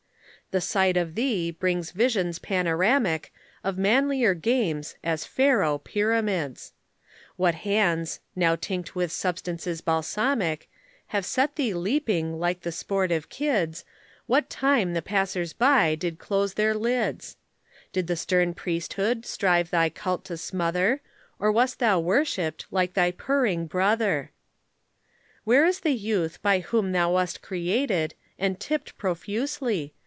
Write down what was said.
The sight of thee brings visions panoramic Of manlier games, as Faro, Pyramids. What hands, now tinct with substances balsamic, Have set thee leaping like the sportive kids, What time the passers by did close their lids? Did the stern Priesthood strive thy cult to smother, Or wast thou worshipped, like thy purring brother? Where is the youth by whom thou wast created And tipped profusely?